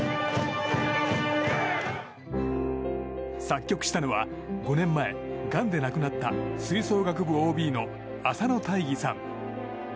作曲したのは５年前がんで亡くなった吹奏楽部ＯＢの浅野大義さん。